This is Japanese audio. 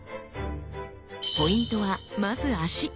ポイントはまず足。